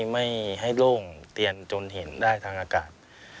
ไม่ให้โล่งเตียนจนเห็นได้ทางอากาศ